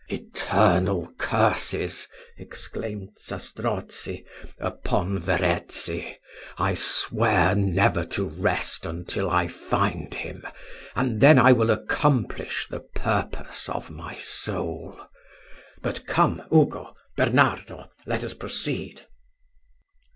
"Eternal curses," exclaimed Zastrozzi, "upon Verezzi! I swear never to rest until I find him, and then I will accomplish the purpose of my soul. But come, Ugo, Bernardo, let us proceed."